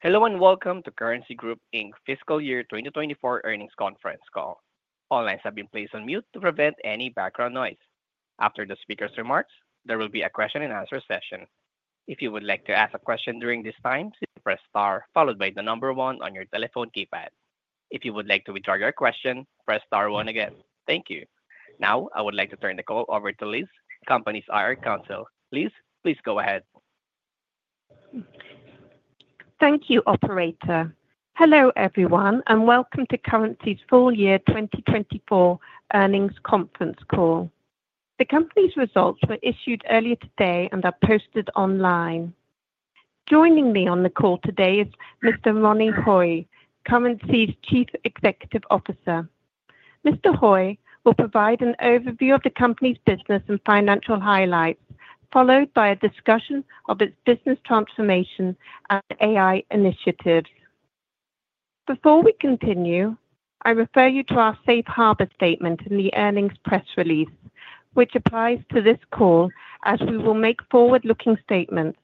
Hello and welcome to Currenc Group Fiscal Year 2024 Earnings Conference Call. All lines have been placed on mute to prevent any background noise. After the speaker's remarks, there will be a question-and-answer session. If you would like to ask a question during this time, please press star followed by the number one on your telephone keypad. If you would like to withdraw your question, press star one again. Thank you. Now, I would like to turn the call over to Liz, Company's IR Counsel. Liz, please go ahead. Thank you, Operator. Hello everyone, and welcome to Currenc Group's Full Year 2024 Earnings Conference Call. The company's results were issued earlier today and are posted online. Joining me on the call today is Mr. Ronnie Hui, Currenc Group's Chief Executive Officer. Mr. Hui will provide an overview of the company's business and financial highlights, followed by a discussion of its business transformation and AI initiatives. Before we continue, I refer you to our safe harbor statement in the earnings press release, which applies to this call as we will make forward-looking statements.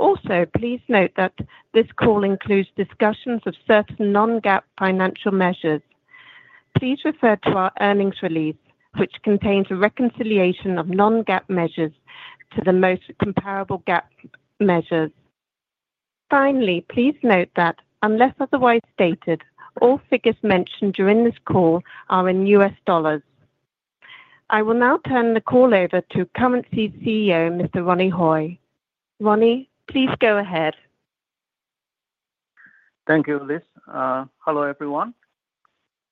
Also, please note that this call includes discussions of certain non-GAAP financial measures. Please refer to our earnings release, which contains a reconciliation of non-GAAP measures to the most comparable GAAP measures. Finally, please note that, unless otherwise stated, all figures mentioned during this call are in US dollars. I will now turn the call over to Currenc Group's CEO, Mr. Ronnie Hui. Ronnie, please go ahead. Thank you, Liz. Hello everyone.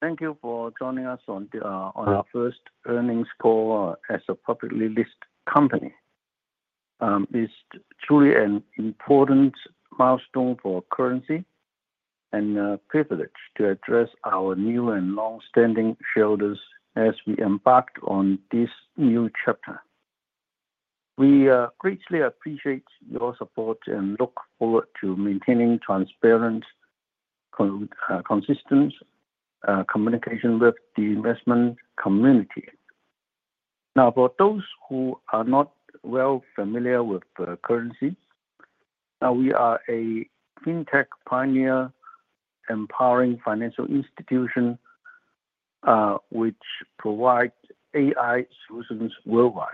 Thank you for joining us on our first earnings call as a publicly listed company. It's truly an important milestone for Currenc Group and a privilege to address our new and long-standing shareholders as we embark on this new chapter. We greatly appreciate your support and look forward to maintaining transparent, consistent communication with the investment community. Now, for those who are not well familiar with Currenc Group, we are a fintech pioneer empowering financial institutions which provides AI solutions worldwide.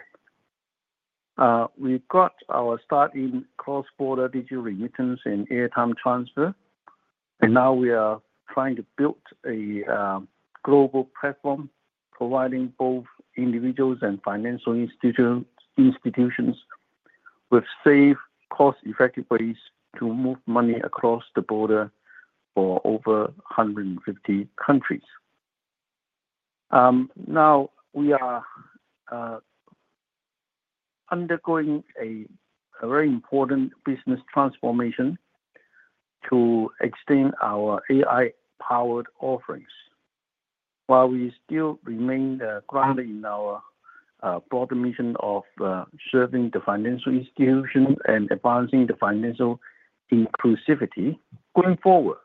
We got our start in cross-border digital remittance and airtime transfer, and now we are trying to build a global platform providing both individuals and financial institutions with safe, cost-effective ways to move money across the border for over 150 countries. Now, we are undergoing a very important business transformation to extend our AI-powered offerings. While we still remain grounded in our broader mission of serving the financial institution and advancing financial inclusivity, going forward,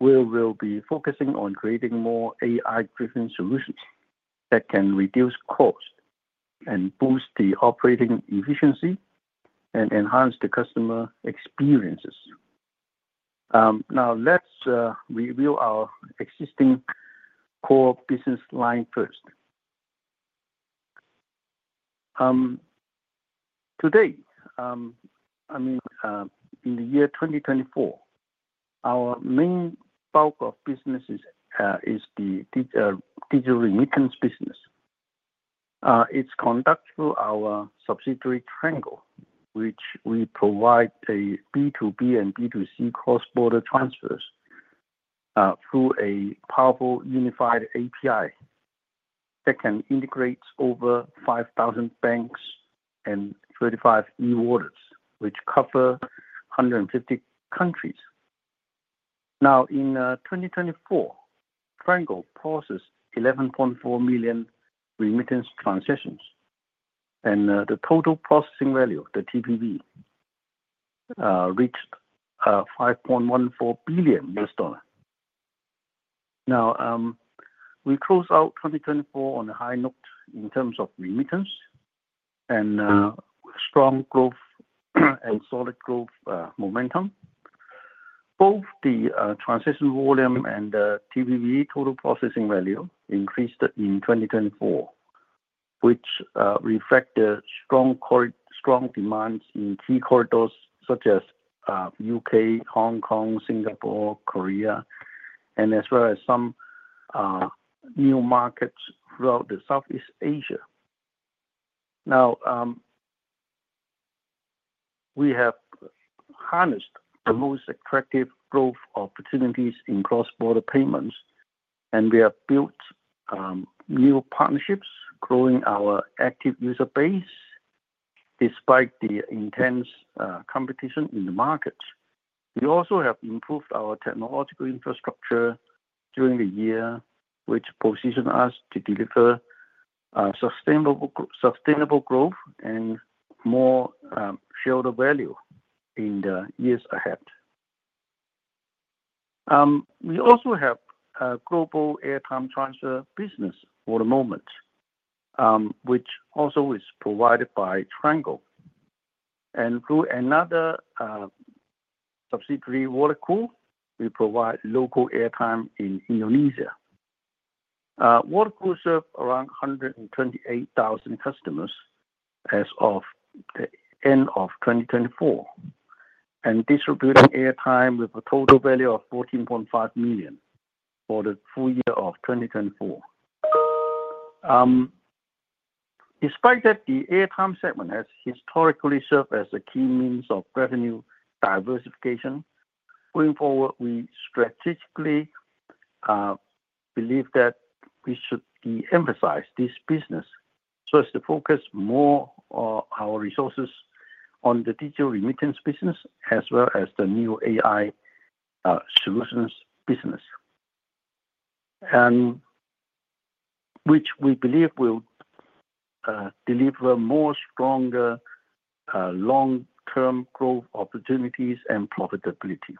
we will be focusing on creating more AI-driven solutions that can reduce costs and boost the operating efficiency and enhance the customer experiences. Now, let's review our existing core business line first. Today, I mean, in the year 2024, our main bulk of business is the digital remittance business. It's conducted through our subsidiary Triangle, which we provide B2B and B2C cross-border transfers through a powerful unified API that can integrate over 5,000 banks and 35 e-wallets, which cover 150 countries. Now, in 2024, Triangle processed 11.4 million remittance transactions, and the total processing value, the TPV, reached $5.14 billion. Now, we close out 2024 on a high note in terms of remittance and strong growth and solid growth momentum. Both the transaction volume and the TPV total processing value increased in 2024, which reflect the strong demands in key corridors such as the U.K., Hong Kong, Singapore, Korea, and as well as some new markets throughout Southeast Asia. Now, we have harnessed the most attractive growth opportunities in cross-border payments, and we have built new partnerships, growing our active user base despite the intense competition in the markets. We also have improved our technological infrastructure during the year, which positions us to deliver sustainable growth and more shareholder value in the years ahead. We also have a global airtime transfer business for the moment, which also is provided by Triangle. Through another subsidiary Watercool, we provide local airtime in Indonesia. Watercool served around 128,000 customers as of the end of 2024 and distributed airtime with a total value of $14.5 million for the full year of 2024. Despite that, the airtime segment has historically served as a key means of revenue diversification. Going forward, we strategically believe that we should de-emphasize this business, so as to focus more our resources on the digital remittance business as well as the new AI solutions business, which we believe will deliver more stronger long-term growth opportunities and profitability.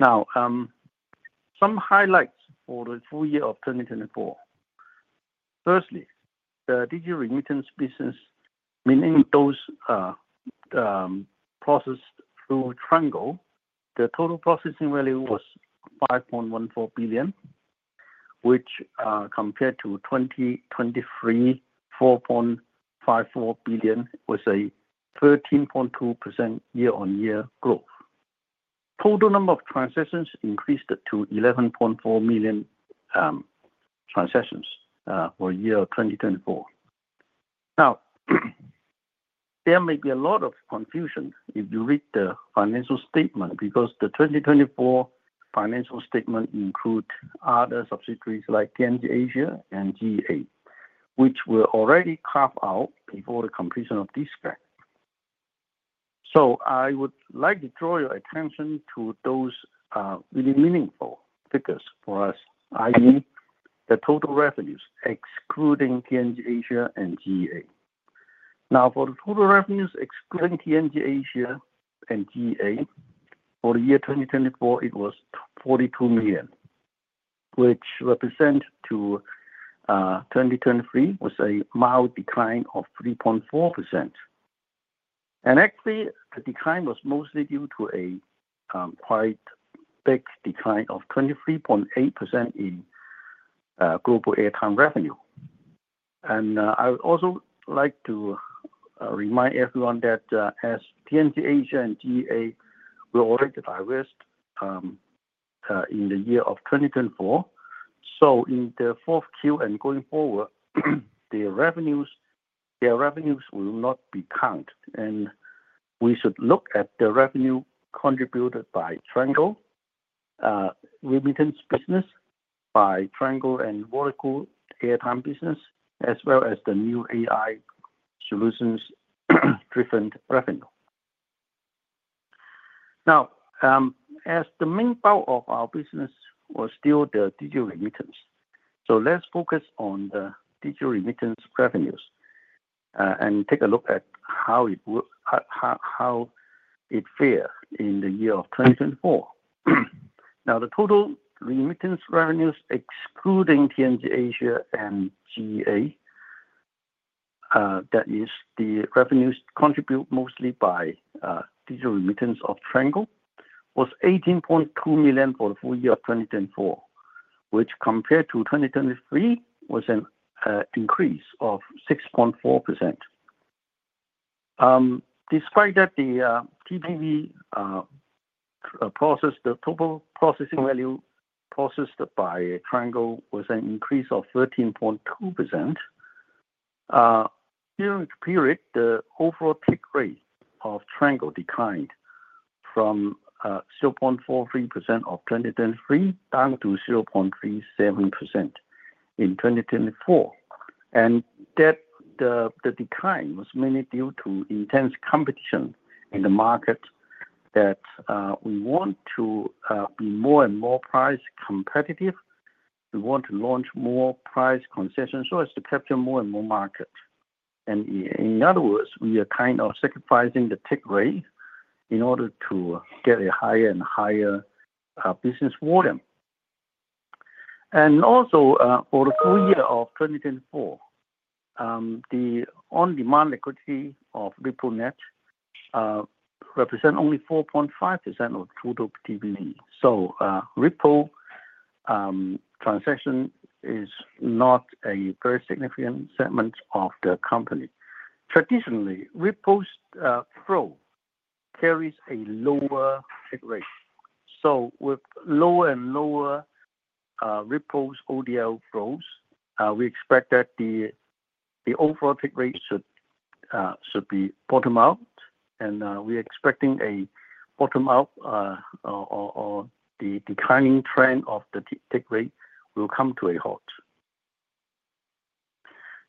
Now, some highlights for the full year of 2024. Firstly, the digital remittance business, meaning those processed through Triangle, the total processing value was $5.14 billion, which compared to 2023, $4.54 billion, was a 13.2% year-on-year growth. Total number of transactions increased to 11.4 million transactions for the year of 2024. Now, there may be a lot of confusion if you read the financial statement because the 2024 financial statement includes other subsidiaries like TNG Asia and GEA, which were already carved out before the completion of this grant. I would like to draw your attention to those really meaningful figures for us, i.e., the total revenues excluding TNG Asia and GEA. Now, for the total revenues excluding TNG Asia and GEA for the year 2024, it was $42 million, which represents to 2023 was a mild decline of 3.4%. Actually, the decline was mostly due to a quite big decline of 23.8% in global airtime revenue. I would also like to remind everyone that as TNG Asia and GEA were already divested in the year of 2024, in the fourth quarter and going forward, their revenues will not be counted. We should look at the revenue contributed by Triangle remittance business, by Triangle and Watercool airtime business, as well as the new AI solutions-driven revenue. Now, as the main bulk of our business was still the digital remittance, let's focus on the digital remittance revenues and take a look at how it fared in the year of 2024. The total remittance revenues, excluding TNG Asia and GEA, that is, the revenues contributed mostly by digital remittance of Triangle, was $18.2 million for the full year of 2024, which compared to 2023 was an increase of 6.4%. Despite that, the TPV processed, the total processing value processed by Triangle, was an increase of 13.2%. During this period, the overall tick rate of Triangle declined from 0.43% in 2023 down to 0.37% in 2024. That decline was mainly due to intense competition in the market, as we want to be more and more price competitive. We want to launch more price concessions so as to capture more and more markets. In other words, we are kind of sacrificing the tick rate in order to get a higher and higher business volume. Also, for the full year of 2024, the on-demand liquidity of RippleNet represents only 4.5% of total TPV. Ripple transaction is not a very significant segment of the company. Traditionally, Ripple's flow carries a lower tick rate. With lower and lower Ripple's ODL flows, we expect that the overall tick rate should bottom out, and we are expecting a bottom out or the declining trend of the tick rate will come to a halt.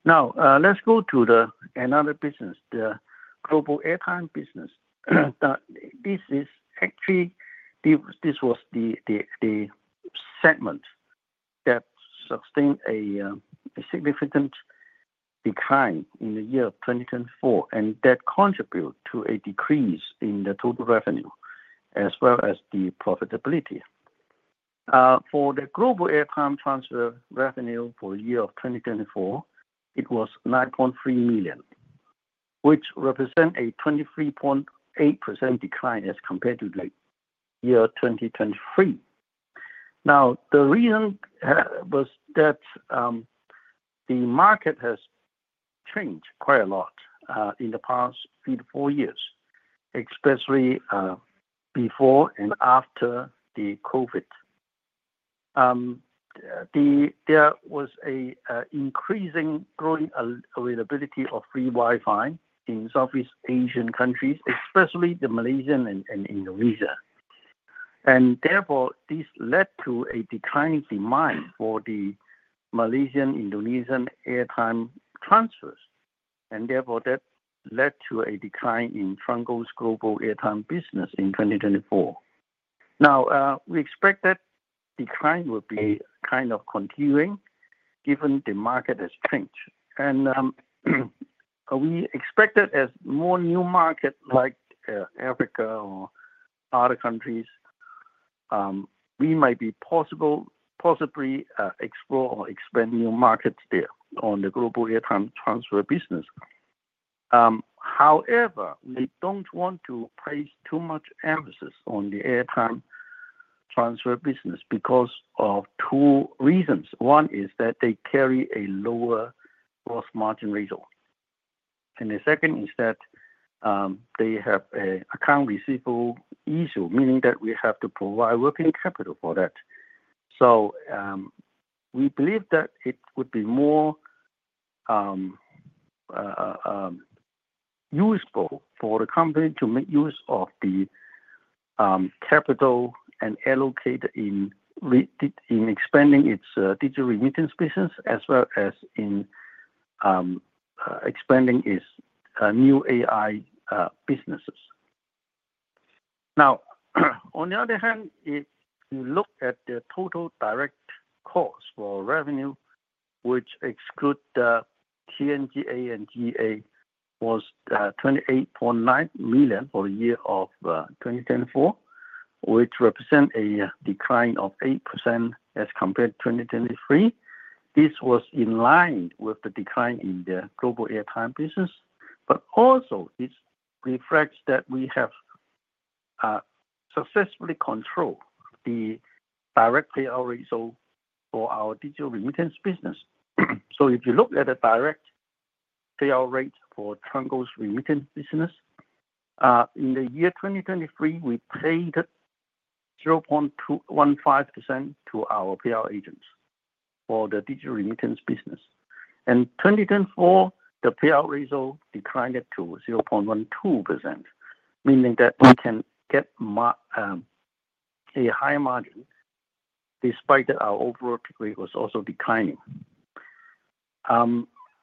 Now, let's go to another business, the global airtime business. This was the segment that sustained a significant decline in the year of 2024, and that contributed to a decrease in the total revenue as well as the profitability. For the global airtime transfer revenue for the year of 2024, it was $9.3 million, which represents a 23.8% decline as compared to the year 2023. The reason was that the market has changed quite a lot in the past three to four years, especially before and after the COVID. There was an increasing growing availability of free Wi-Fi in Southeast Asian countries, especially the Malaysia and Indonesia. Therefore, this led to a declining demand for the Malaysian-Indonesian airtime transfers. That led to a decline in Triangle's global airtime business in 2024. We expect that decline will be kind of continuing given the market has changed. We expect that as more new markets like Africa or other countries, we might possibly explore or expand new markets there on the global airtime transfer business. However, we don't want to place too much emphasis on the airtime transfer business because of two reasons. One is that they carry a lower gross margin ratio. The second is that they have an account receivable issue, meaning that we have to provide working capital for that. We believe that it would be more useful for the company to make use of the capital and allocate in expanding its digital remittance business as well as in expanding its new AI businesses. Now, on the other hand, if you look at the total direct cost for revenue, which excludes TNG Asia and GEA, it was $28.9 million for the year of 2024, which represents a decline of 8% as compared to 2023. This was in line with the decline in the global airtime business, but also this reflects that we have successfully controlled the direct PR ratio for our digital remittance business. If you look at the direct PR rate for Triangle's remittance business, in the year 2023, we paid 0.15% to our PR agents for the digital remittance business. In 2024, the PR ratio declined to 0.12%, meaning that we can get a high margin despite that our overall tick rate was also declining.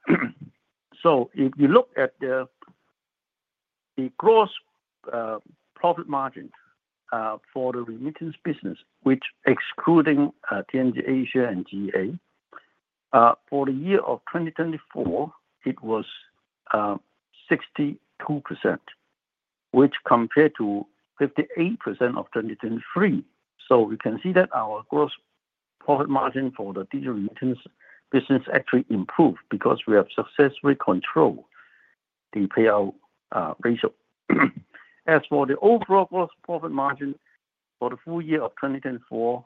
If you look at the gross profit margin for the remittance business, which excluding TNG Asia and GEA, for the year of 2024, it was 62%, which compared to 58% of 2023. We can see that our gross profit margin for the digital remittance business actually improved because we have successfully controlled the PR ratio. As for the overall gross profit margin for the full year of 2024,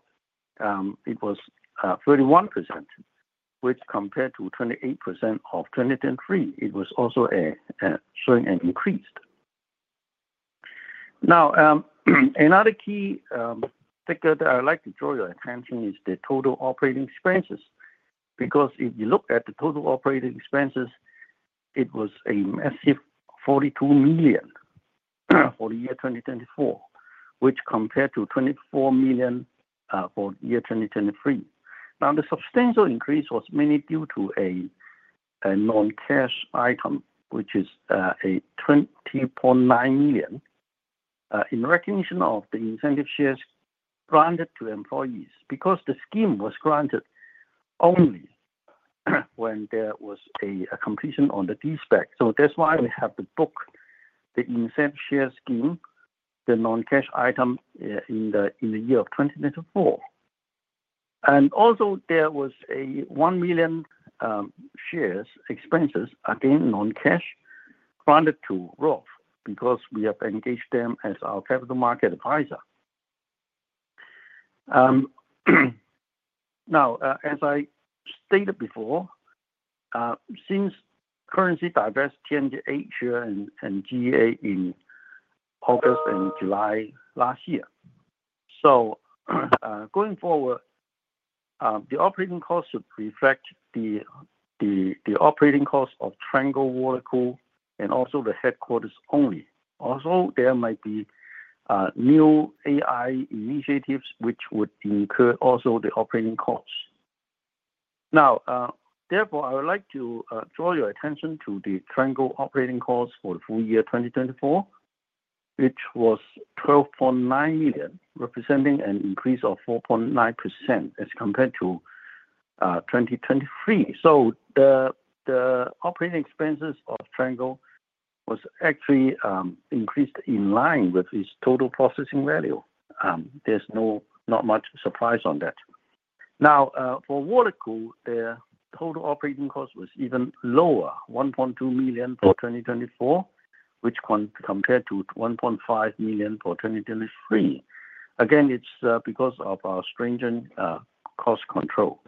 it was 31%, which compared to 28% of 2023, it was also showing an increase. Now, another key figure that I'd like to draw your attention is the total operating expenses. Because if you look at the total operating expenses, it was a massive $42 million for the year 2024, which compared to $24 million for the year 2023. Now, the substantial increase was mainly due to a non-cash item, which is $20.9 million in recognition of the incentive shares granted to employees because the scheme was granted only when there was a completion on the dispatch. That's why we have to book the incentive share scheme, the non-cash item in the year of 2024. There was a 1 million shares expense, again, non-cash, granted to Roth because we have engaged them as our capital market advisor. As I stated before, since Currenc Group divested TNG Asia and GEA in August and July last year, going forward, the operating costs should reflect the operating costs of Triangle, Watercool, and also the headquarters only. There might be new AI initiatives which would incur also the operating costs. Therefore, I would like to draw your attention to the Triangle operating costs for the full year 2024, which was $12.9 million, representing an increase of 4.9% as compared to 2023. The operating expenses of Triangle actually increased in line with its total processing value. There's not much surprise on that. For Watercool, their total operating cost was even lower, $1.2 million for 2024, which compared to $1.5 million for 2023. Again, it's because of our stringent cost control.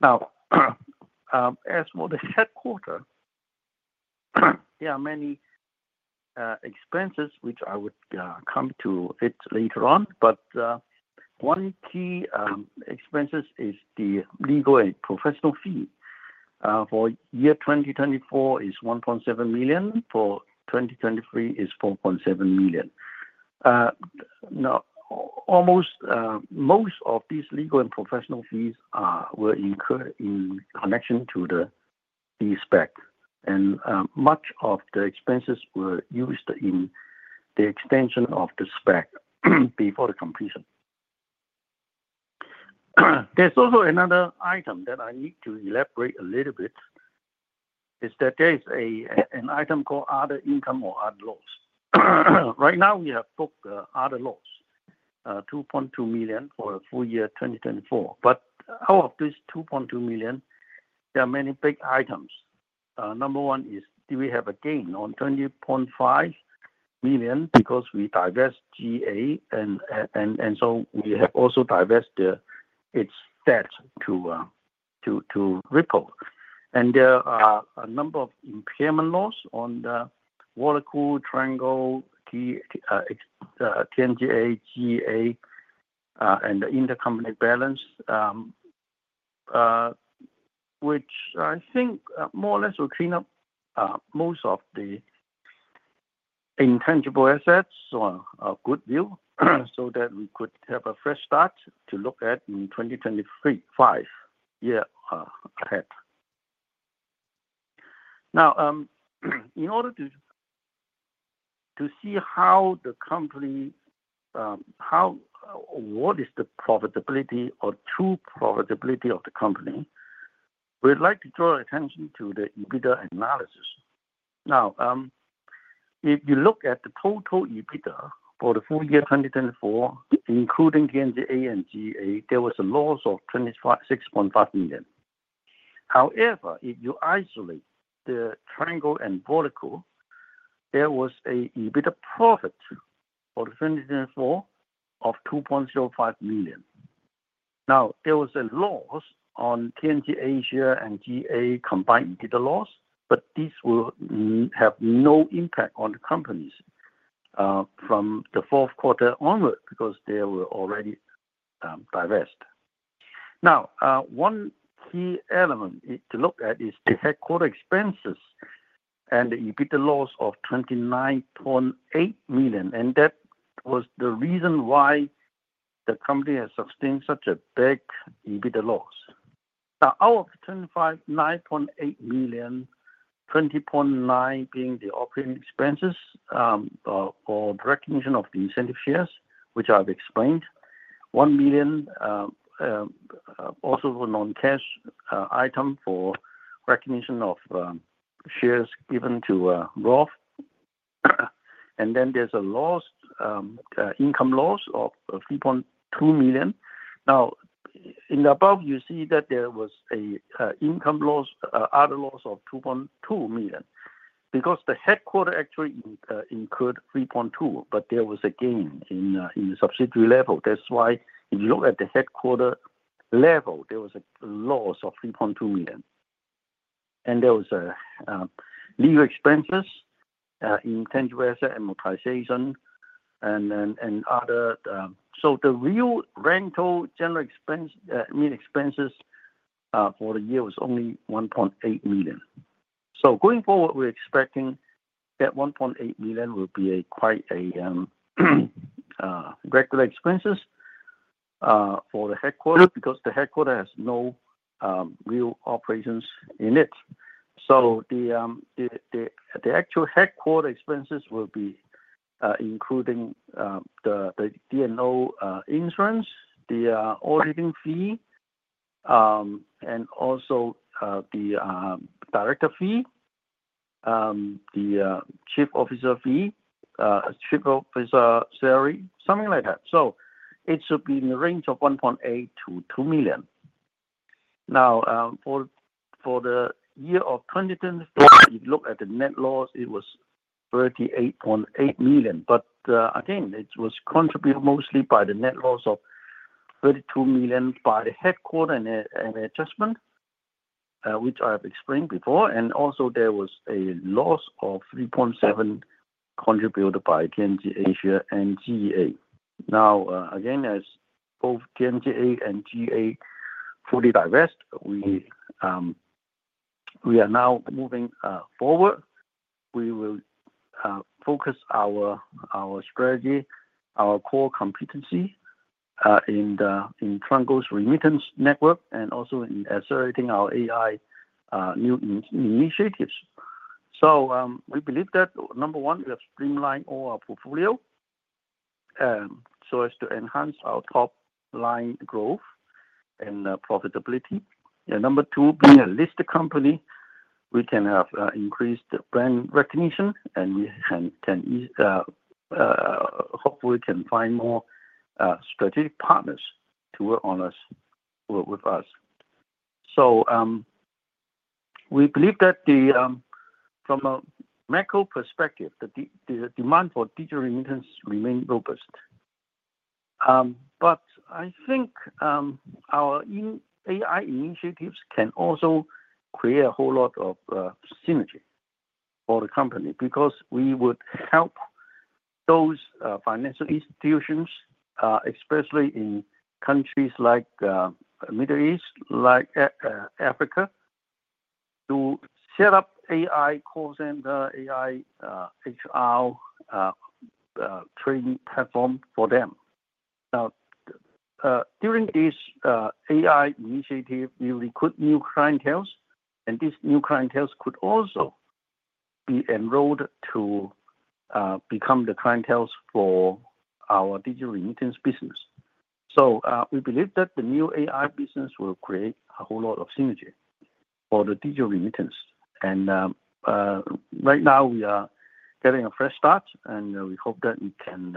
Now, as for the headquarter, there are many expenses which I would come to later on, but one key expense is the legal and professional fee. For year 2024, it's $1.7 million. For 2023, it's $4.7 million. Now, almost most of these legal and professional fees were incurred in connection to the dispatch. Much of the expenses were used in the extension of the SPAC before the completion. There's also another item that I need to elaborate a little bit, is that there is an item called other income or other loss. Right now, we have booked other loss, $2.2 million for the full year 2024. Out of this $2.2 million, there are many big items. Number one is do we have a gain on $20.5 million because we divested GEA, and so we have also divested its debt to Ripple. There are a number of impairment loss on the Watercool, Triangle, TNG Asia, GEA, and the intercompany balance, which I think more or less will clean up most of the intangible assets or goodwill so that we could have a fresh start to look at in 2025 year ahead. Now, in order to see how the company what is the profitability or true profitability of the company, we'd like to draw attention to the EBITDA analysis. Now, if you look at the total EBITDA for the full year 2024, including TNG Asia and GEA, there was a loss of $6.5 million. However, if you isolate the Triangle and Watercool, there was an EBITDA profit for 2024 of $2.05 million. Now, there was a loss on TNG Asia and GEA combined EBITDA loss, but this will have no impact on the companies from the fourth quarter onward because they were already divested. Now, one key element to look at is the headquarter expenses and the EBITDA loss of $29.8 million. That was the reason why the company has sustained such a big EBITDA loss. Now, out of $29.8 million, $20.9 million being the operating expenses for recognition of the incentive shares, which I've explained, $1 million also for non-cash item for recognition of shares given to Roth. There is a loss, income loss of $3.2 million. Now, in the above, you see that there was an income loss, other loss of $2.2 million because the headquarter actually incurred $3.2 million, but there was a gain in the subsidiary level. That's why if you look at the headquarter level, there was a loss of $3.2 million. There were legal expenses, intangible asset amortization, and other. The real rental general expense mean expenses for the year was only $1.8 million. Going forward, we're expecting that $1.8 million will be quite a regular expenses for the headquarters because the headquarters has no real operations in it. The actual headquarter expenses will be including the D&O insurance, the auditing fee, and also the director fee, the chief officer fee, chief officer salary, something like that. It should be in the range of $1.8-$2 million. Now, for the year of 2024, if you look at the net loss, it was $38.8 million. Again, it was contributed mostly by the net loss of $32 million by the headquarter and adjustment, which I have explained before. There was a loss of $3.7 million contributed by TNG Asia and GEA. Now, again, as both TNG Asia and GEA fully divested, we are now moving forward. We will focus our strategy, our core competency in Triangle's remittance network, and also in accelerating our AI new initiatives. We believe that, number one, we have streamlined all our portfolio so as to enhance our top-line growth and profitability. Number two, being a listed company, we can have increased brand recognition, and hopefully, we can find more strategic partners to work with us. We believe that from a macro perspective, the demand for digital remittance remains robust. I think our AI initiatives can also create a whole lot of synergy for the company because we would help those financial institutions, especially in countries like the Middle East, like Africa, to set up AI call center, AI HR training platform for them. Now, during this AI initiative, we'll recruit new clienteles, and these new clienteles could also be enrolled to become the clienteles for our digital remittance business. We believe that the new AI business will create a whole lot of synergy for the digital remittance. Right now, we are getting a fresh start, and we hope that we can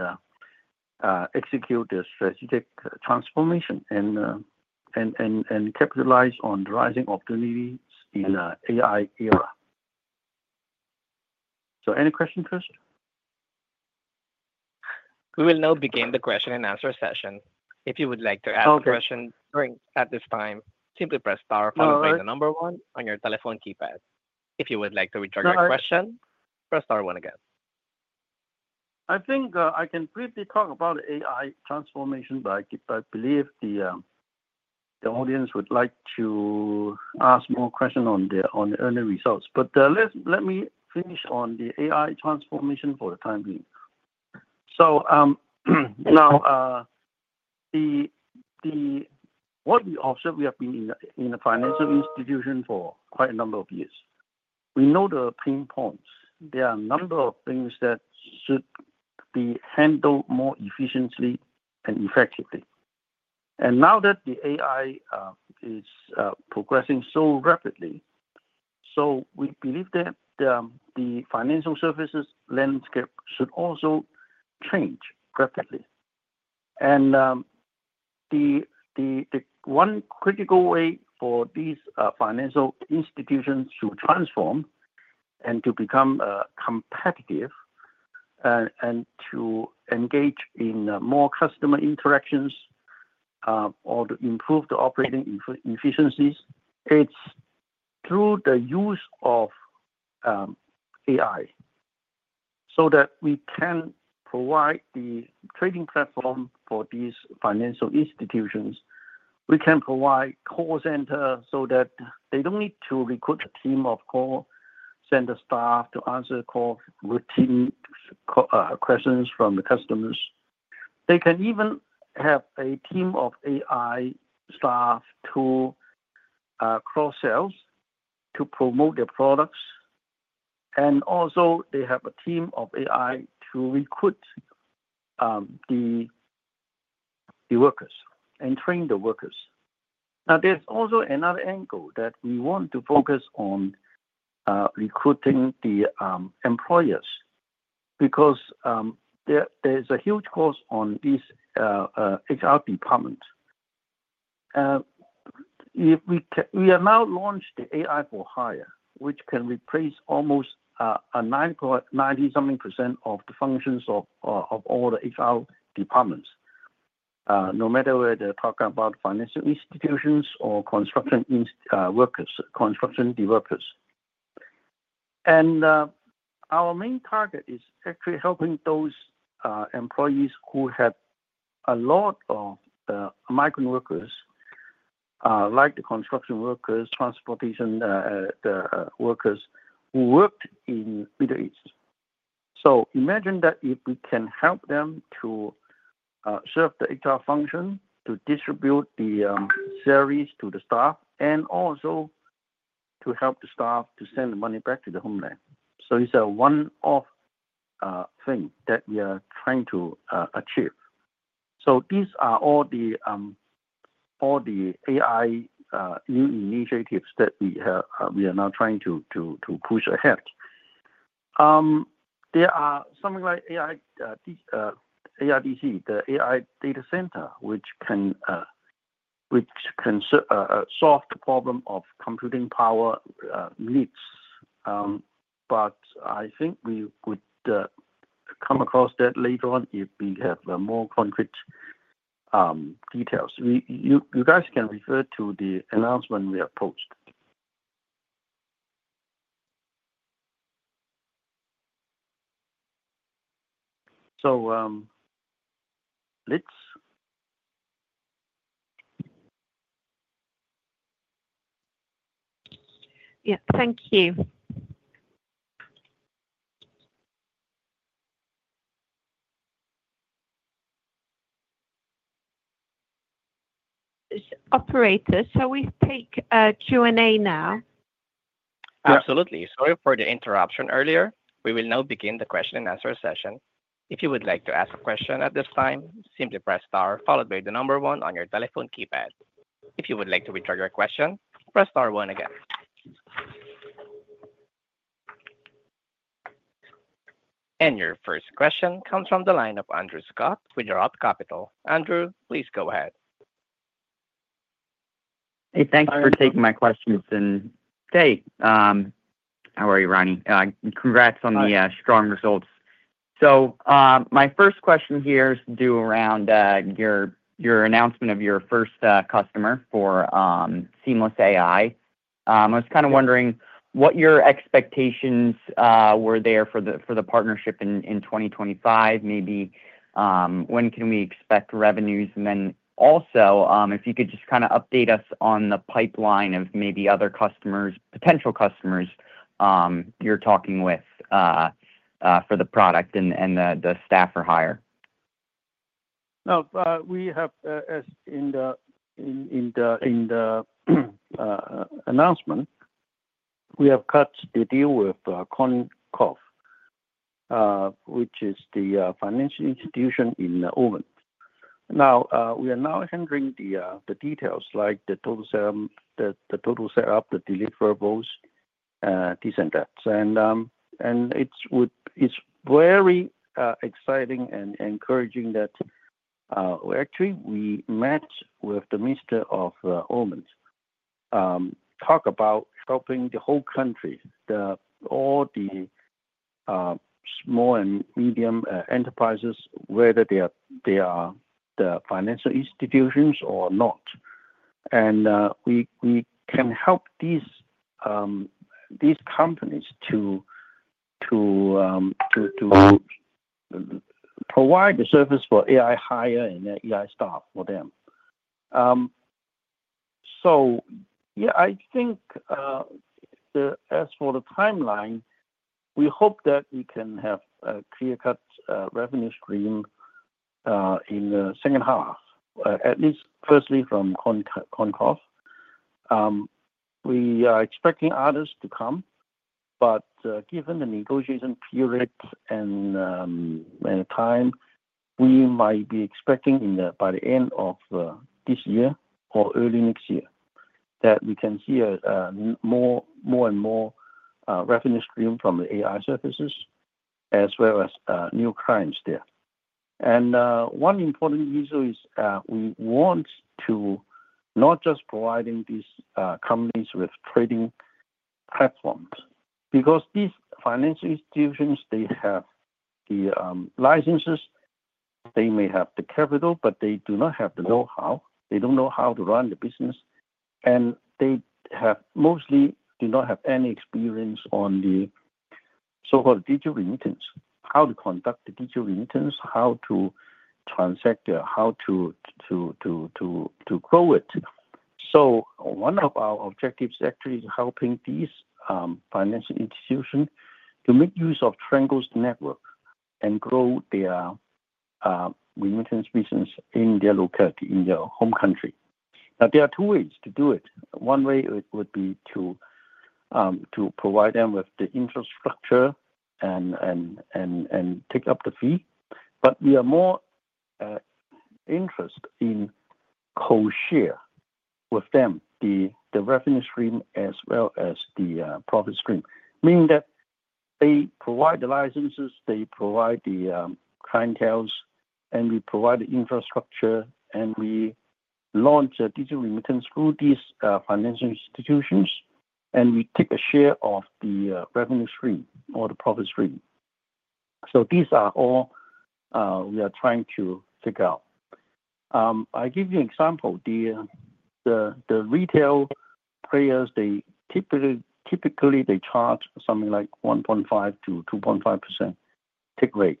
execute the strategic transformation and capitalize on the rising opportunities in the AI era. Any questions, Chris? We will now begin the question and answer session. If you would like to ask a question at this time, simply press star followed by the number one on your telephone keypad. If you would like to return your question, press star one again. I think I can briefly talk about the AI transformation, but I believe the audience would like to ask more questions on the early results. Let me finish on the AI transformation for the time being. Now, the audit officer, we have been in a financial institution for quite a number of years. We know the pain points. There are a number of things that should be handled more efficiently and effectively. Now that the AI is progressing so rapidly, we believe that the financial services landscape should also change rapidly. The one critical way for these financial institutions to transform and to become competitive and to engage in more customer interactions or to improve the operating efficiencies is through the use of AI so that we can provide the trading platform for these financial institutions. We can provide call center so that they don't need to recruit a team of call center staff to answer routine questions from the customers. They can even have a team of AI Staff to cross-sell to promote their products. They have a team of AI to recruit the workers and train the workers. Now, there's also another angle that we want to focus on recruiting the employers because there's a huge cost on these HR departments. We have now launched the AI for Hire, which can replace almost 90-something percent of the functions of all the HR departments, no matter whether they're talking about financial institutions or construction workers, construction workers. Our main target is actually helping those employees who have a lot of migrant workers, like the construction workers, transportation workers who worked in the Middle East. Imagine that if we can help them to serve the HR function, to distribute the salaries to the staff, and also to help the staff to send the money back to their homeland. It is a one-off thing that we are trying to achieve. These are all the AI new initiatives that we are now trying to push ahead. There are something like AIDC, the AI data center, which can solve the problem of computing power needs. I think we would come across that later on if we have more concrete details. You guys can refer to the announcement we have posted. Let's. Yeah. Thank you. Operators, shall we take Q&A now? Absolutely. Sorry for the interruption earlier. We will now begin the question and answer session. If you would like to ask a question at this time, simply press star followed by the number one on your telephone keypad. If you would like to return your question, press star one again. Your first question comes from the line of Andrew Scott with Roth Capital. Andrew, please go ahead. Hey, thanks for taking my questions. Hey, how are you, Ronnie? Congrats on the strong results. My first question here is around your announcement of your first customer for Seamless AI. I was kind of wondering what your expectations were there for the partnership in 2025, maybe when can we expect revenues. Also, if you could just kind of update us on the pipeline of maybe other customers, potential customers you're talking with for the product and the Staff or Hire. Now, we have, as in the announcement, we have cut the deal with Corncove, which is the financial institution in Oman. Now, we are now handling the details like the total setup, the deliverables, this and that. It is very exciting and encouraging that actually we met with the minister of Oman, talked about helping the whole country, all the small and medium enterprises, whether they are the financial institutions or not. We can help these companies to provide the service for AI hire and AI staff for them. I think as for the timeline, we hope that we can have a clear-cut revenue stream in the second half, at least firstly from Corncove. We are expecting others to come. Given the negotiation period and time, we might be expecting by the end of this year or early next year that we can see more and more revenue stream from the AI services as well as new clients there. One important reason is we want to not just provide these companies with trading platforms because these financial institutions, they have the licenses, they may have the capital, but they do not have the know-how. They do not know how to run the business. They mostly do not have any experience on the so-called digital remittance, how to conduct the digital remittance, how to transact, how to grow it. One of our objectives actually is helping these financial institutions to make use of Triangle's network and grow their remittance business in their locality, in their home country. There are two ways to do it. One way would be to provide them with the infrastructure and take up the fee. We are more interested in co-share with them the revenue stream as well as the profit stream, meaning that they provide the licenses, they provide the clienteles, and we provide the infrastructure, and we launch a digital remittance through these financial institutions, and we take a share of the revenue stream or the profit stream. These are all we are trying to figure out. I give you an example. The retail players, typically, they charge something like 1.5%-2.5% take rate.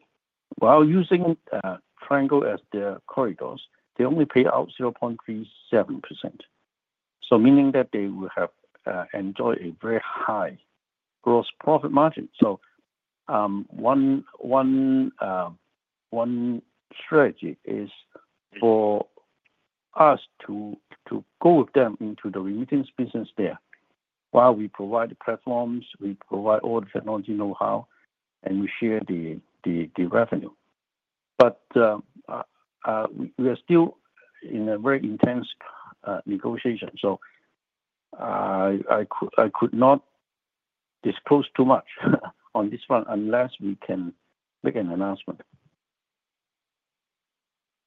While using Triangle as their corridors, they only pay out 0.37%, meaning that they will enjoy a very high gross profit margin. One strategy is for us to go with them into the remittance business there while we provide the platforms, we provide all the technology know-how, and we share the revenue. We are still in a very intense negotiation. I could not disclose too much on this one unless we can make an announcement.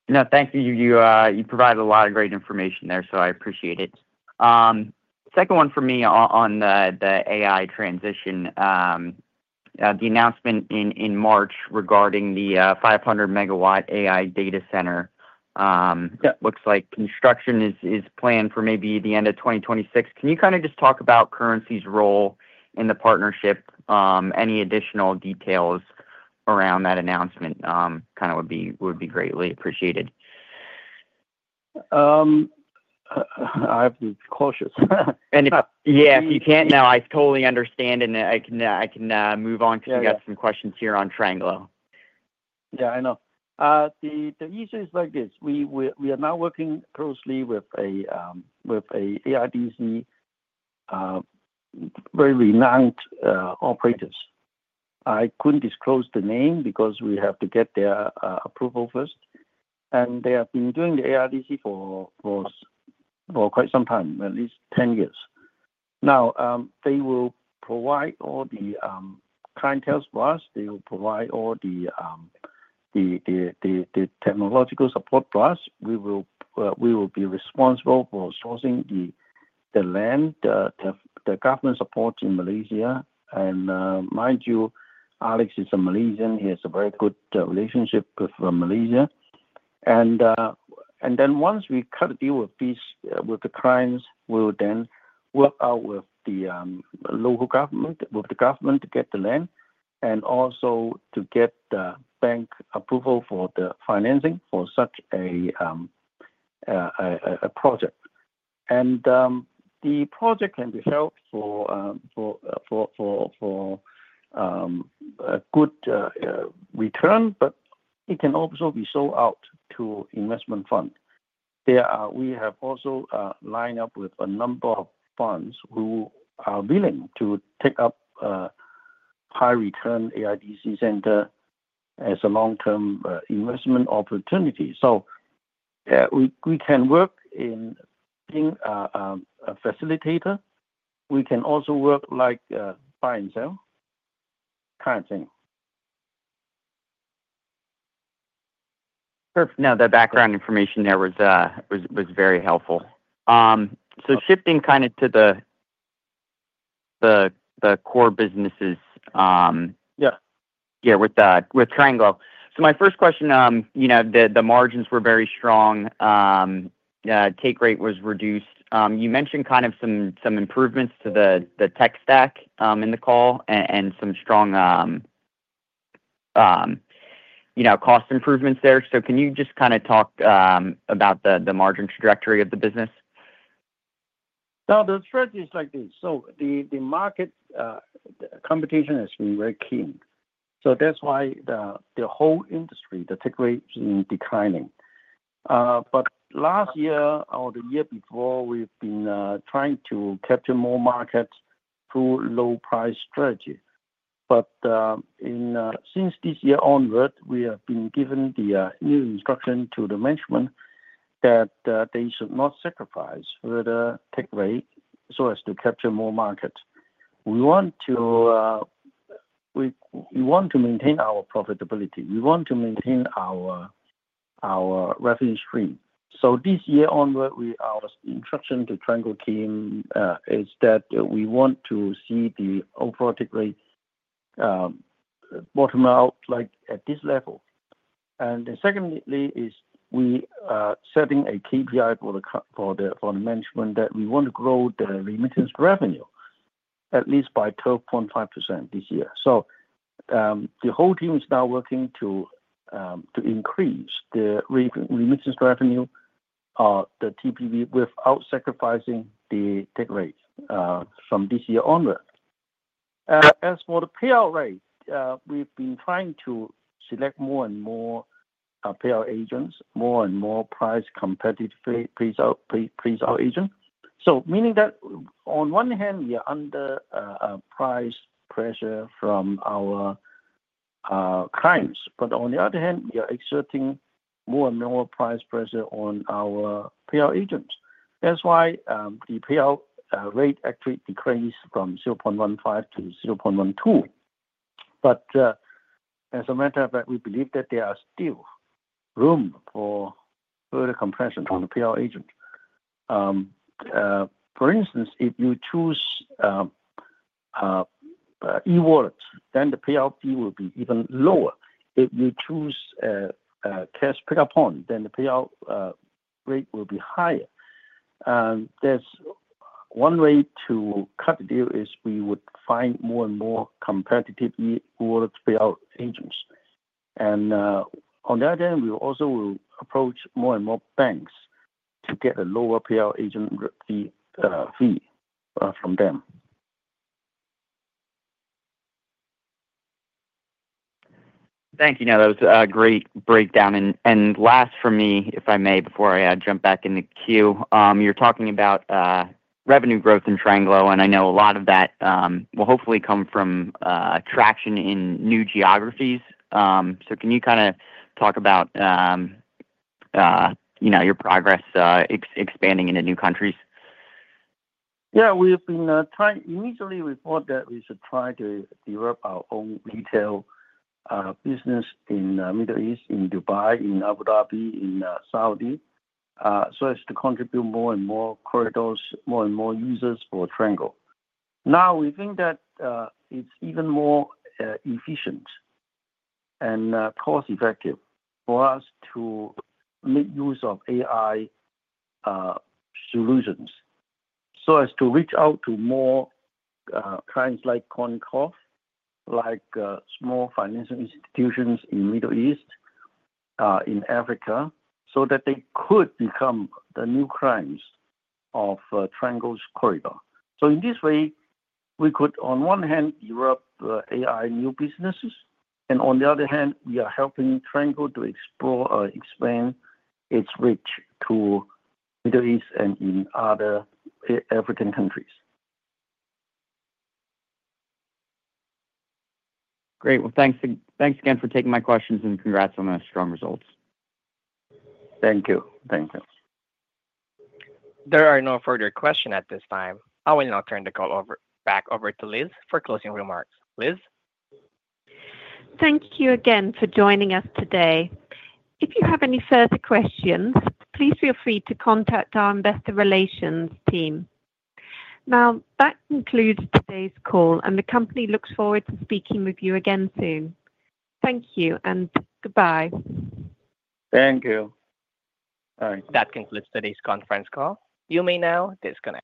No, thank you. You provided a lot of great information there, so I appreciate it. Second one for me on the AI transition, the announcement in March regarding the 500-megawatt AI data center. Looks like construction is planned for maybe the end of 2026. Can you kind of just talk about Currenc's role in the partnership, any additional details around that announcement kind of would be greatly appreciated. I have to be cautious. Yeah. If you can't now, I totally understand, and I can move on because we've got some questions here on Tranglo. Yeah, I know. The issue is like this. We are now working closely with AIDC, very renowned operators. I couldn't disclose the name because we have to get their approval first. They have been doing the AIDC for quite some time, at least 10 years. They will provide all the clienteles for us. They will provide all the technological support for us. We will be responsible for sourcing the land, the government support in Malaysia. Mind you, Alex is a Malaysian. He has a very good relationship with Malaysia. Once we cut a deal with the clients, we will then work out with the local government, with the government to get the land, and also to get the bank approval for the financing for such a project. The project can be held for a good return, but it can also be sold out to investment funds. We have also lined up with a number of funds who are willing to take up high-return AIDC center as a long-term investment opportunity. We can work in being a facilitator. We can also work like buy-and-sell kind of thing. Perfect. Now, the background information there was very helpful. Shifting kind of to the core businesses. Yeah. Yeah, with Triangle. My first question, the margins were very strong. Take rate was reduced. You mentioned kind of some improvements to the tech stack in the call and some strong cost improvements there. Can you just kind of talk about the margin trajectory of the business? Now, the strategy is like this. The market competition has been very keen. That is why the whole industry, the tech rate, has been declining. Last year or the year before, we have been trying to capture more markets through low-price strategy. Since this year onward, we have been giving the new instruction to the management that they should not sacrifice the tech rate so as to capture more markets. We want to maintain our profitability. We want to maintain our revenue stream. This year onward, our instruction to Triangle team is that we want to see the overall tech rate bottom out at this level. Secondly, we are setting a KPI for the management that we want to grow the remittance revenue at least by 12.5% this year. The whole team is now working to increase the remittance revenue, the TPV, without sacrificing the take rate from this year onward. As for the payout rate, we've been trying to select more and more payout agents, more and more price competitive payout agents. Meaning that on one hand, we are under price pressure from our clients. On the other hand, we are exerting more and more price pressure on our payout agents. That's why the payout rate actually decreased from 0.15% to 0.12%. As a matter of fact, we believe that there is still room for further compression on the payout agent. For instance, if you choose e-wallets, then the payout fee will be even lower. If you choose cash pickup, then the payout rate will be higher. One way to cut the deal is we would find more and more competitive e-wallet payout agents. On the other hand, we also will approach more and more banks to get a lower payout agent fee from them. Thank you. That was a great breakdown. Last for me, if I may, before I jump back in the queue, you're talking about revenue growth in Tranglo, and I know a lot of that will hopefully come from traction in new geographies. Can you kind of talk about your progress expanding into new countries? Yeah. We initially reported that we should try to develop our own retail business in the Middle East, in Dubai, in Abu Dhabi, in Saudi, so as to contribute more and more corridors, more and more users for Triangle. Now, we think that it's even more efficient and cost-effective for us to make use of AI solutions so as to reach out to more clients like Corncove, like small financial institutions in the Middle East, in Africa, so that they could become the new clients of Triangle's corridor. In this way, we could, on one hand, develop AI new businesses. On the other hand, we are helping Triangle to explore or expand its reach to the Middle East and in other African countries. Great. Thanks again for taking my questions and congrats on the strong results. Thank you. Thank you. There are no further questions at this time. I will now turn the call back over to Liz for closing remarks. Liz? Thank you again for joining us today. If you have any further questions, please feel free to contact our investor relations team. Now, that concludes today's call, and the company looks forward to speaking with you again soon. Thank you and goodbye. Thank you. All right. That concludes today's conference call. You may now disconnect.